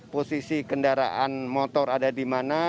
posisi kendaraan motor ada di mana